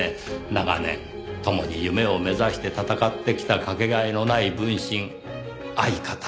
長年共に夢を目指して戦ってきたかけがえのない分身相方。